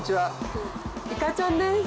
いかちゃんです！